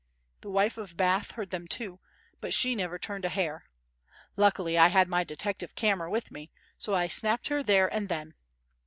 The Wife of Bath heard them too, but she never turned a hair. Luckily I had my detective camera with me, so I snapped her there and then.